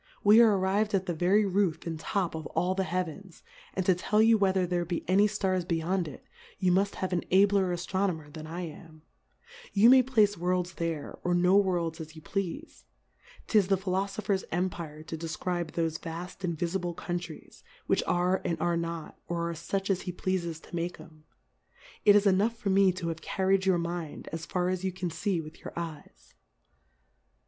We are arriv'd at the very Roof and Top of all the Heavens ^ and to tell you whether there be any Stars beyond it, you mufthave an abler Aftronomer than I am; you may place Worlds there, or no Worlds, as you pleafe : 'Tis the Philofopher's Empire to def cribe thofe vaft invifible Countries, Mdiich are, and are not, or are fuch as he pleafes to make 'em : It is enough for me to have carried your Mmd^ as far as you can fee with your Eyes.